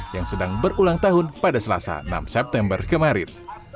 yang sedang berulang tahun pada selasa enam september kemarin